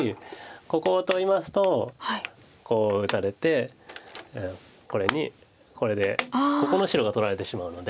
ここを取りますとこう打たれてこれにこれでここの白が取られてしまうので。